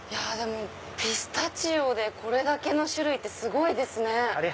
ピスタチオでこれだけの種類ってすごいですね。